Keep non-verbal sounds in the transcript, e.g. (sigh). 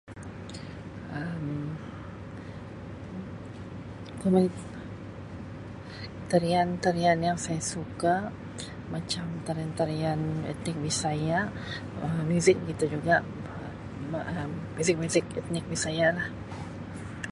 Um (unintelligible) Tarian-tarian yang saya suka macam tarian-tarian etnik Bisaya Um muzik begitu juga Um muzik-muzik etnik Bisaya lah.